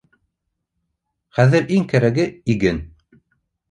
Хәҙер иң кәрәге — иген.